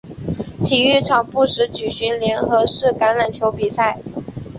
体育场不时举行联合式橄榄球比赛。